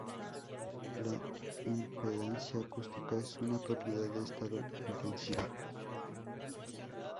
La impedancia acústica es una propiedad de estado intensiva.